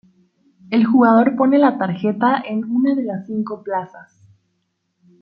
El jugador pone la tarjeta en una de las cinco plazas.